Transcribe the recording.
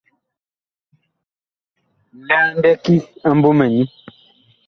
Nlɛɛ a ndɛki a MBƆMƐ nyu.